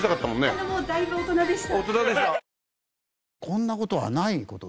あのもうだいぶ大人でした。